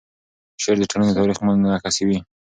شعر د ټولنې تاریخ منعکسوي.